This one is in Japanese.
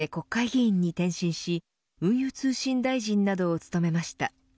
３０歳で国会議員に転身し運輸通信大臣などを務めました。